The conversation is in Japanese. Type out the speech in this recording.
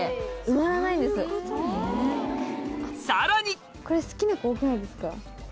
さらにこれ好きな子多くないですか？